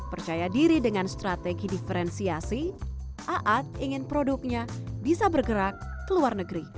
percaya diri dengan strategi diferensiasi aad ⁇ ingin produknya bisa bergerak ke luar negeri